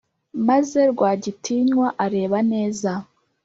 maze rwagitinywa areba neza